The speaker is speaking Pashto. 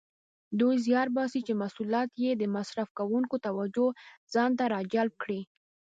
دوی زیار باسي چې محصولات یې د مصرف کوونکو توجه ځانته راجلب کړي.